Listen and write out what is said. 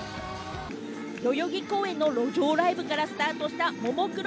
代々木公園の路上ライブからスタートしたももクロ。